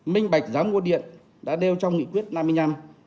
minh bạch giá mua điện đã đeo trong nghị quyết năm mươi năm